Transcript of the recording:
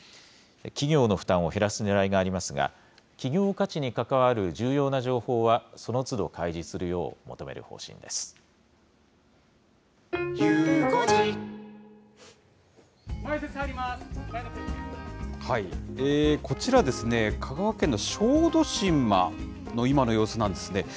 企業の負担を減らすねらいがありますが、企業価値に関わる重要な情報はそのつど開示するよう求める方針でこちら、香川県の小豆島の今の様子なんですね。